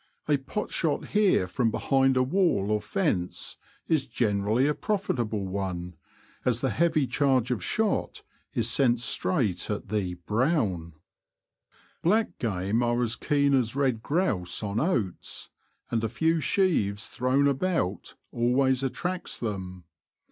A pot shot here from behind a wall or fence is generally a profitable one, as the heavy charge of shot is sent straight at the *' brown." Black game are as keen as red grouse on oats, and a few sheaves thrown about always attracts them.